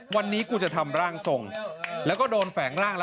วันนี้กูจะทำร่างทรงแล้วก็โดนแฝงร่างแล้ว